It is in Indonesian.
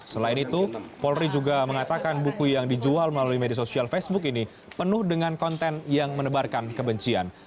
selain itu polri juga mengatakan buku yang dijual melalui media sosial facebook ini penuh dengan konten yang menebarkan kebencian